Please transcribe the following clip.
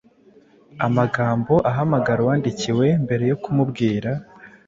Amagambo ahamagara uwandikiwe: Mbere yo kumubwira